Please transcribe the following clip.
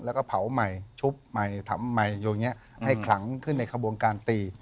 แล้วก็เผาใหม่ชุบใหม่ทำใหม่อย่างนี้ให้ขลังขึ้นในขบวนการตี